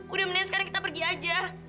udah mendingan sekarang kita pergi aja